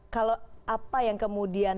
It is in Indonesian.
kalau apa yang kemudian